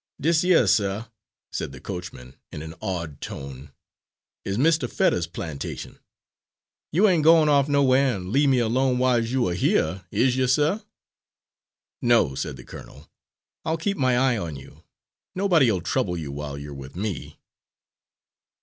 "Dis yer, suh," said the coachman in an awed tone, "is Mistah Fetters's plantation. You ain' gwine off nowhere, and leave me alone whils' you are hyuh, is you, suh?" "No," said the colonel, "I'll keep my eye on you. Nobody'll trouble you while you're with me."